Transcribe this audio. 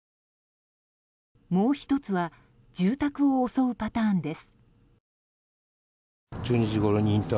もう１つは住宅を襲うパターンです。